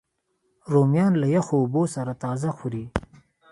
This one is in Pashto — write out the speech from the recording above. رومیان له یخو اوبو سره تازه خوري